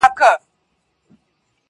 ښار چي مو وران سو خو ملا صاحب په جار وويل.